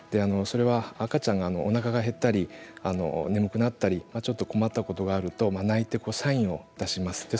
それは赤ちゃんがおなかが減ったり眠くなったり困ったことがあったりすると泣いてサインを出します。